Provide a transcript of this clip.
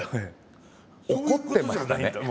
怒ってましたね。